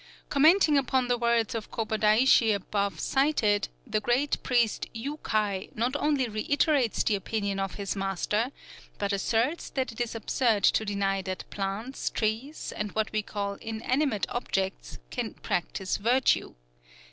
Commenting upon the words of Kōbōdaishi above cited, the great priest Yū kai not only reiterates the opinion of his master, but asserts that it is absurd to deny that plants, trees, and what we call inanimate objects, can practise virtue!